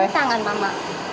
tanda tangan mama